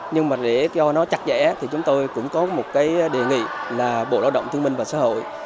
nhưng mà để cho nó chặt dẻ thì chúng tôi cũng có một cái đề nghị là bộ lao động thương minh và xã hội